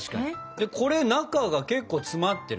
でこれ中が結構詰まってるけど。